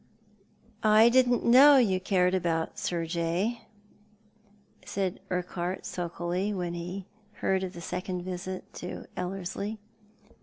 " I didn't know you cared about Sir J.," said Urquhart sulkily, when he heard of the second visit to Ellerslie.